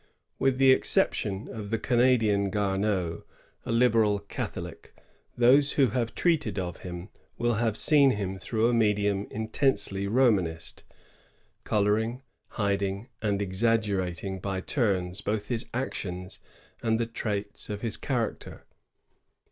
With the exception of the Canadian Gameau, a liberal Catholic, those who have treated of him have seen him through a medium intensely Romanist, coloring, hiding, and exaggerating by turns both his actions and the traits of his character.